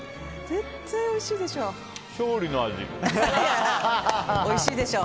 絶対おいしいでしょ。